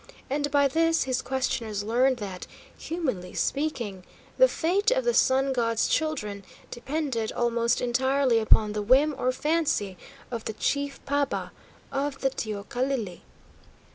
And, by this, his questioners learned that, humanly speaking, the fate of the Sun God's Children depended almost entirely upon the whim or fancy of the chief paba of the teocalli.